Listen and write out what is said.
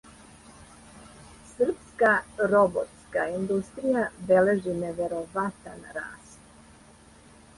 Србска роботска индустрија бележи невероватан раст!